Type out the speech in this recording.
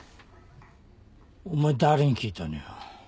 お前誰に聞いたのよ。